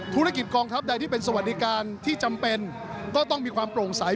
ธุรกิจกองทัพใดที่เป็นสวัสดิการที่จำเป็นก็ต้องมีความโปร่งใส